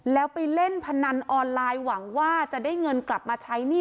แล้วไปเล่นพนันออนไลน์หวังว่าจะได้เงินกลับมาใช้หนี้